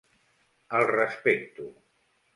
El respecto.